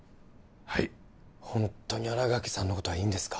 はいホントに新垣さんのことはいいんですか？